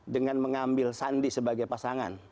dengan mengambil sandi sebagai pasangan